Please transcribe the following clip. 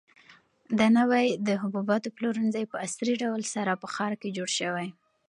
دا نوی د حبوباتو پلورنځی په عصري ډول سره په ښار کې جوړ شوی.